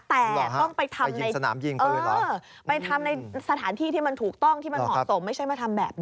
แต่ต้องไปทำในสถานที่ที่ถูกต้องที่เหมาะสมไม่ใช่มาทำแบบนี้